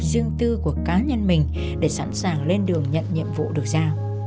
riêng tư của cá nhân mình để sẵn sàng lên đường nhận nhiệm vụ được giao